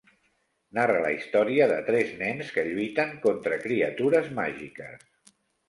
Narra la història de tres nens que lluiten contra criatures màgiques.